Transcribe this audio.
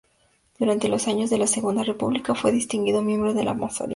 Durante los años de la Segunda República fue un distinguido miembro de la masonería.